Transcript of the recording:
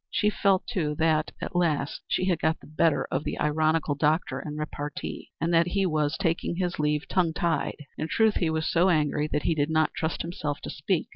She felt, too, that at last she had got the better of the ironical doctor in repartee, and that he was taking his leave tongue tied. In truth, he was so angry that he did not trust himself to speak.